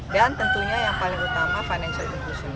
dan tentunya yang paling utama financial inclusion